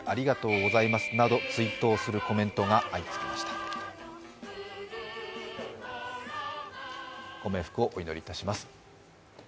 ご冥福をお祈りいたします。